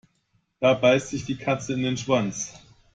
Da beißt sich die Katze in den Schwanz.